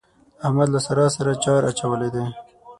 احمد له سارا سره چار اچولی دی.